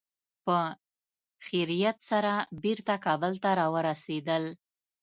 په خیریت سره بېرته کابل ته را ورسېدل.